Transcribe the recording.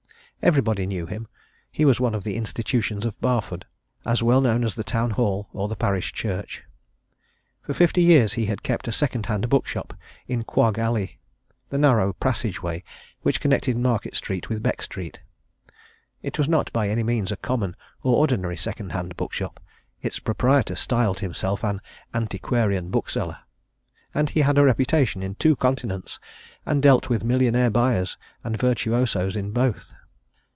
Everybody knew him he was one of the institutions of Barford as well known as the Town Hall or the Parish Church. For fifty years he had kept a second hand bookshop in Quagg Alley, the narrow passage way which connected Market Street with Beck Street. It was not by any means a common or ordinary second hand bookshop: its proprietor styled himself an "antiquarian bookseller"; and he had a reputation in two Continents, and dealt with millionaire buyers and virtuosos in both.